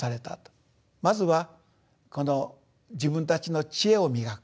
まずはこの自分たちの知恵を磨く